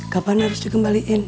kapan harus dikembalikan